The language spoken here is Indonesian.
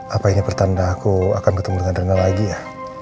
apa ini pertanda aku akan ketemu dengan rendah lagi ya